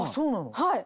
はい。